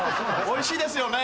おいしいですよね？